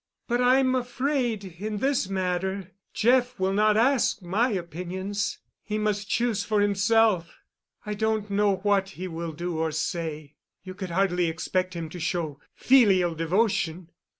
"But I'm afraid in this matter Jeff will not ask my opinions—he must choose for himself. I don't know what he will do or say. You could hardly expect him to show filial devotion.